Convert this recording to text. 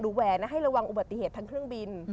แหวนนะให้ระวังอุบัติเหตุทางเครื่องบิน